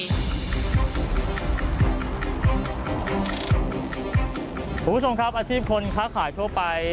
คุณผู้ชมครับอาชีพคนค้าขายทั่วไป